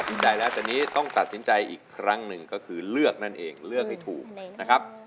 ใจแล้วตอนนี้ต้องตัดสินใจอีกครั้งหนึ่งก็คือเลือกนั่นเองเลือกให้ถูกนะครับ